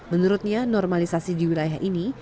menurutnya normalisasi di wilayah ini